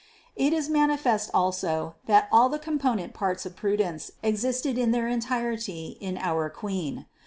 537. It is manifest also that all the component parts of prudence existed in their entirety in our Queen.